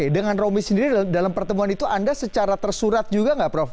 dengan romi sendiri dalam pertemuan itu anda secara tersurat juga nggak prof